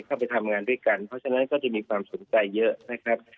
เข้าไปทำงานด้วยกันเพราะฉะนั้นก็จะมีความสนใจเยอะนะครับ